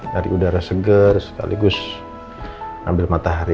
dari udara segar sekaligus ambil matahari